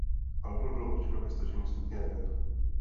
Album bylo určeno ke stažení z internetu.